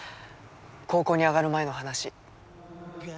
高校に上がる前の話。